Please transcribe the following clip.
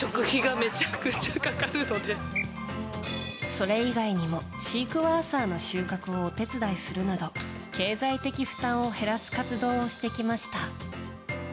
それ以外にもシークワーサーの収穫をお手伝いするなど経済的負担を減らす活動をしてきました。